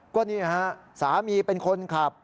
ก็นี่ฮะสามีเป็นคนขับ